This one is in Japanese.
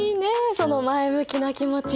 その前向きな気持ち。